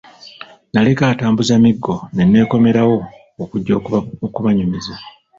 Naleka atambuza miggo ne neekomerawo okujja okubanyumiza.